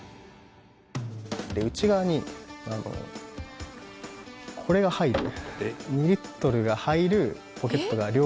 内側にこれが入る。